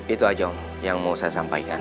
itu aja yang mau saya sampaikan